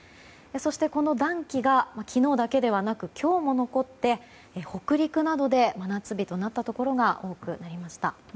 そして、この暖気が昨日だけではなく今日も残って北陸などで真夏日となったところ多くなりました。